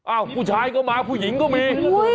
ผู้ชายก็มาผู้หญิงก็มี